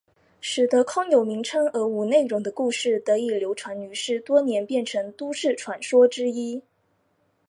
使得空有名称而无内容的故事得以流传于世多年变成都市传说之一。